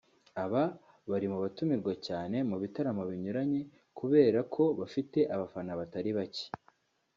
aba bari mu batumirwa cyane mu bitaramo binyuranye kubera ko bafite abafana batari bake